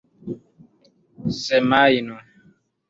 semajno